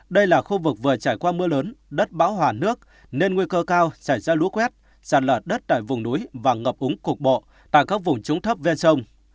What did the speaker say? nếu mưa lớn đất bão hòa nước nên nguy cơ cao chảy ra lũ quét sàn lở đất tại vùng núi và ngập úng cục bộ tại các vùng trúng thấp ven sông